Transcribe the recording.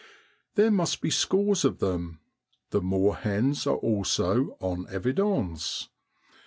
There must be scores of them. The moorhens are also en evidence.